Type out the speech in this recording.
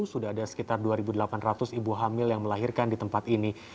sudah ada sekitar dua delapan ratus ibu hamil yang melahirkan di tempat ini